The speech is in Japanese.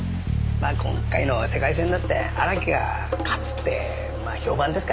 まあ今回の世界戦だって荒木が勝つって評判ですからね。